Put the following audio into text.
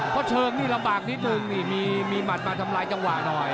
เพราะถึงนี่ลำบากนิดนึงมีหมัดทำมาล้ายจะกว่าน้อย